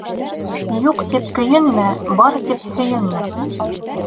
Юҡ тип көйөнмә, бар тип һөйөнмә: